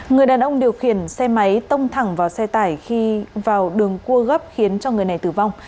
người đàn ông điều khiển xe máy tông thẳng vào xe tải khi vào đường cua gấp khiến cho người này tử vong